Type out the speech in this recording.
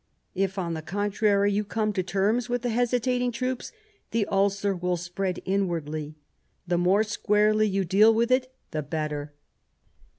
If, on the contrary, you come to terms with the hesitating troops, the ulcer will spread inwardly. The more squarely you deal with it the better."